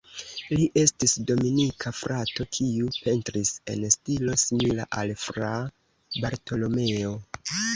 Li estis Dominikana frato kiu pentris en stilo simila al Fra Bartolomeo.